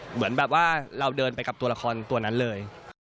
เหมือนแบบว่าเราเดินไปกับตัวละครตัวนั้นเลย